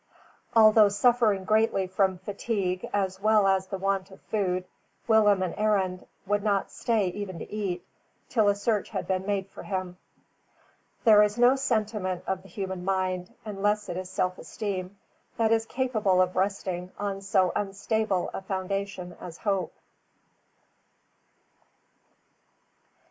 Although suffering greatly from fatigue as well as the want of food, Willem and Arend would not stay even to eat, till a search had been made for him. There is no sentiment of the human mind, unless it is self esteem, that is capable of resting on so unstable a foundation as hope.